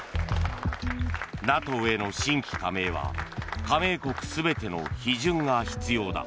ＮＡＴＯへの新規加盟は加盟国全ての批准が必要だ。